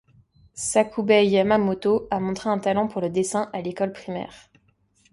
Sakubei Yamamoto a montré un talent pour le dessin à l'école primaire.